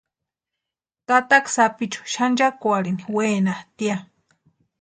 Tataka sapichu xanchakwarhini wenatʼi ya.